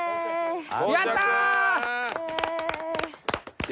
やったー！